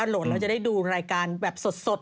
โหลดเราจะได้ดูรายการแบบสด